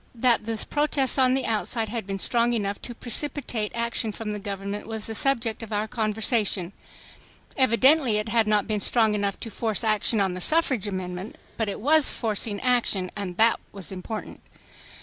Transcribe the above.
That the protest on the outside had been strong enough to precipitate action from the government was the subject of our conversation. Evidently it had not been strong enough to force action on the suffrage amendment, but it was forcing action, and that was important. Mr.